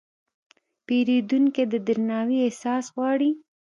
پیرودونکی د درناوي احساس غواړي.